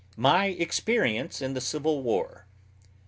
MY EXPERIENCE IN THE CIVIL WAR.